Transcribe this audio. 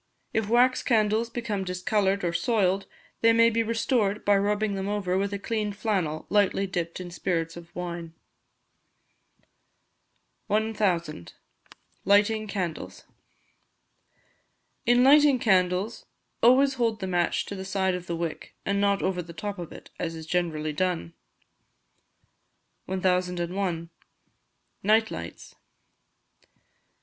If wax candles become discoloured or soiled, they may be restored by rubbing them over with a clean flannel slightly dipped in spirits of wine. 1000. Lighting Candles. In lighting candles always hold the match to the side of the wick, and not over the top of it, as is generally done. 1001. Night Lights.